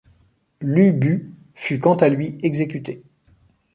Lu Bu fut quant à lui exécuté.